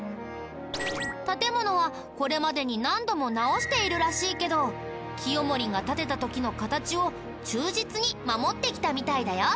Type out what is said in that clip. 建物はこれまでに何度も直しているらしいけど清盛が建てた時の形を忠実に守ってきたみたいだよ。